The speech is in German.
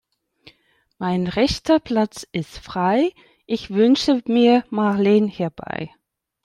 Mein rechter Platz ist frei, ich wünsche mir Marleen herbei.